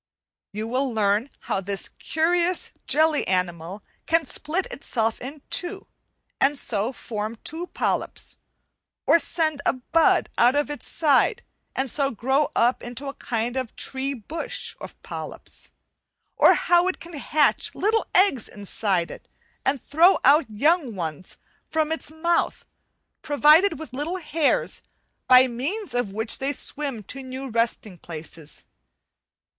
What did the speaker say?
You will learn how this curious jelly animal can split itself in two, and so form two polyps, or send a bud out of its side and so grow up into a kind of "tree or bush of polyps," or how it can hatch little eggs inside it and throw out young ones from its mouth, provided with little hairs, by means of which they swim to new resting places.